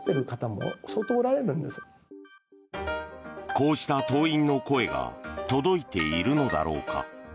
こうした党員の声が届いているのだろうか。